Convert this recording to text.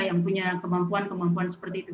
yang punya kemampuan kemampuan seperti itu